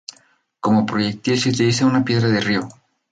Como proyectil se utiliza una piedra de río.